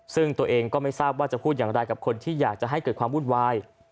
ซึ่งตัวเองก็ไม่ทราบว่าจะพูดอย่างไรกับคนที่อยากจะให้เกิดความวุ่นวาย